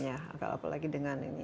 apalagi dengan ini